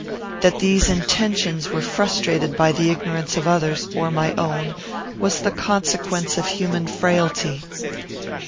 That these intentions were frustrated by the ignorance of others, or my own, was the consequence of human frailty.